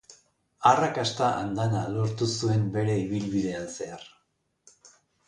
Arrakasta andana lortu zuen bere ibilbidean zehar.